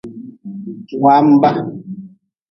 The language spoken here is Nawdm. Wamba.